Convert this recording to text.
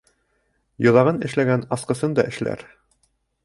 Йоҙағын эшләгән асҡысын да эшләр.